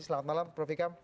selamat malam prof aisyikam